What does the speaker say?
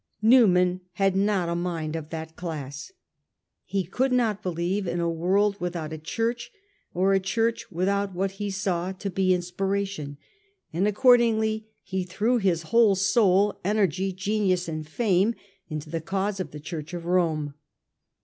Newman had not a mind of that class. He could not believe in a world without a church, or a church without what he held to be inspiration; and accordingly he threw his whole soul, energy, genius and fame into the cause of the Church of Home.